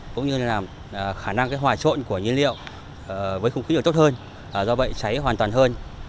cũng như là làm khả năng hòa trộn của nhiên liệu với khung khí độc tốt hơn do vậy cháy hoàn toàn hơn